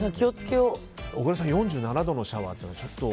小倉さん、４７度のシャワーはちょっと。